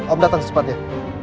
om datang secepatnya